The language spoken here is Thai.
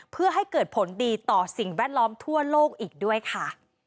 เพื่อให้เกิดผลดีต่อสิ่งแวดล้อมทั่วโลกอีกด้วยค่ะ